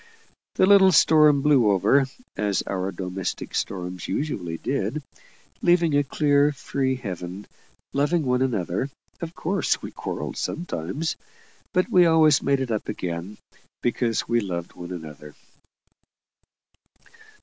The little storm blew over, as our domestic storms usually did, leaving a clear, free heaven. Loving one another, of course we quarrelled sometimes; but we always made it up again, because we loved one another.